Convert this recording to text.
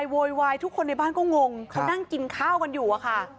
โวยวายทุกคนในบ้านก็งงเขานั่งกินข้าวกันอยู่อะค่ะ